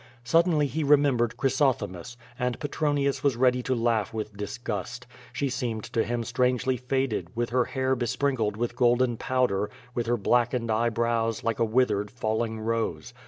Suddenly he remembered Chrysothemis, and Petronius was ready to laugh with dis gust. She seemed to him strangely faded^ with her hair be sprinkled with golden powder, with her blackened eyebrows, like a withered, falling rose.